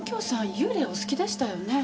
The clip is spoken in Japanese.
幽霊お好きでしたよね？